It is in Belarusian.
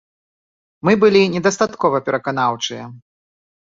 Мы былі недастаткова пераканаўчыя.